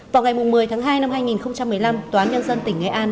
vào ngày một mươi tháng hai năm hai nghìn một mươi năm tòa án nhân dân tỉnh nghệ an